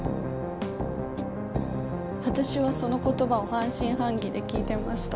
私はその言葉を半信半疑で聞いてました。